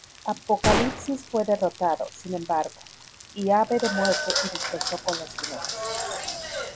Apocalipsis fue derrotado, sin embargo, y Ave de Muerte y dispersó con los jinetes.